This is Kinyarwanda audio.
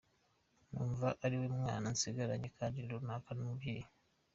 Numva ari we mwana nsigaranye, kandi rukaba n’umubyeyi.